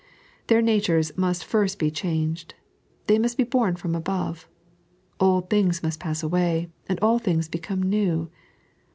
Their natures must first be changed. They must bo bom from above. Old things must pass away, and all things become new.